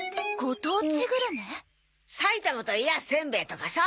埼玉といえばせんべいとかさ。